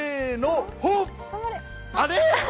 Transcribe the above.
あれ？